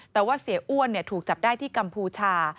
แต่ว่าเสียอ้วนถูกจับได้ที่กัมพูชา